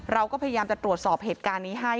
เราก็พยายามจะตรวจสอบเหตุการณ์นี้ให้